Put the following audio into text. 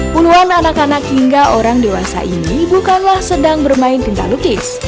puluhan anak anak hingga orang dewasa ini bukanlah sedang bermain tinta lukis